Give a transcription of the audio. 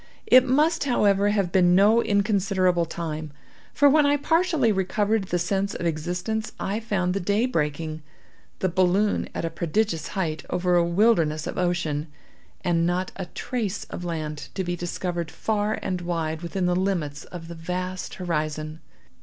It must, however, have been no inconsiderable time, for when I partially recovered the sense of existence, I found the day breaking, the balloon at a prodigious height over a wilderness of ocean, and not a trace of land to be discovered far and wide within the limits of the vast horizon.